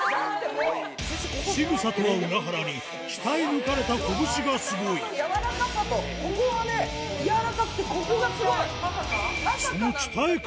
しぐさとは裏腹に鍛え抜かれた拳がスゴいここはね軟らかくてここがスゴい！